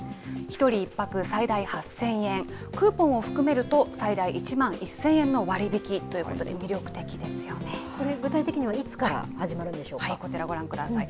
１人１泊最大８０００円、クーポンを含めると最大１万１０００円の割引ということで、魅力これ、具体的にはいつから始こちらご覧ください。